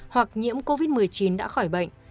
hoặc nhiễm covid một mươi chín đã khỏi bệnh